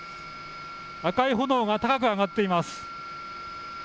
赤い炎が高く上がっています。